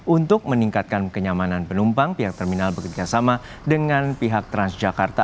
untuk meningkatkan kenyamanan penumpang pihak terminal bekerjasama dengan pihak transjakarta